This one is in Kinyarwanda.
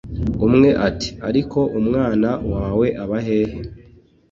umwe ati"ariko umwana wawe abahehe